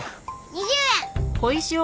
２０円！